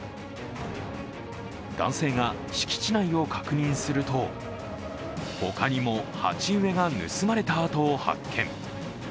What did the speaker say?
男性が敷地内を確認すると他にも鉢植えが盗まれた跡を発見。